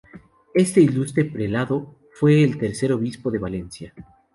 Este ilustre prelado fue el tercer Obispo de Valencia.